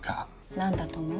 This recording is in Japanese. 何だと思う？